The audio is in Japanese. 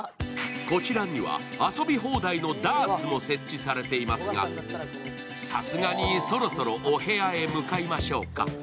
こちらには遊び放題のダーツも設置されていますがさすがにそろそろお部屋へ向かいましょうか。